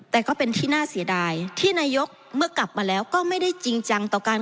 แต่ก็เป็นที่น่าเสียดาย